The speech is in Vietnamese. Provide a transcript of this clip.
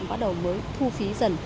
bắt đầu mới thu phí dần